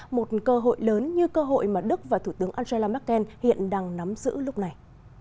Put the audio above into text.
một cơ hội lớn như cơ hội mà đức và thủ tướng angela merkel hiện đang nắm giữ lúc này